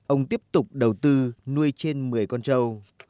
ông tiếp tục đầu tư nuôi trên một mươi con trâu